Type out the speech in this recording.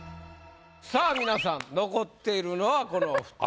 さあみなさん残っているのはこのお二人。